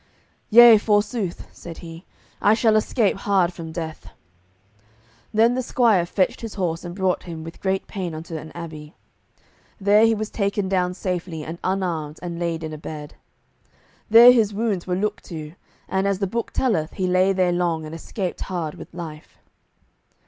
"Yea, forsooth," said he, "I shall escape hard from death." Then the squire fetched his horse, and brought him with great pain unto an abbey. Then was he taken down safely, and unarmed, and laid in a bed. There his wounds were looked to, and, as the book telleth, he lay there long, and escaped hard with life.